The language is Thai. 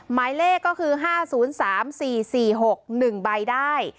หมายเลขก็คือ๕๐๓๔๔๖๑ใบได้